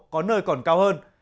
có nơi còn cao hơn